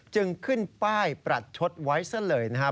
จึงขึ้นป้ายประชดไว้เสียเลยนะฮะ